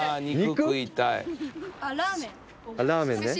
ラーメンね。